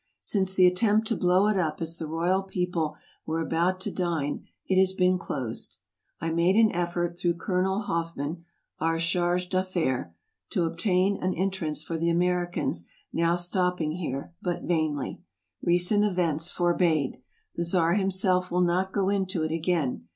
Since the attempt to blow it up as the royal people were about to dine it has been closed. I made an effort, through Colonel Hoffman, our charge d'affaires, to obtain an entrance for the Ameri cans now stopping here, but vainly. Recent events forbade. The Czar himself will not go into it again.